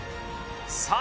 さあ